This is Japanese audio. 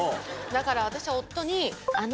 だから私は夫に。